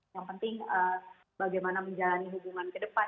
yang penting bagaimana menjalani hubungan ke depan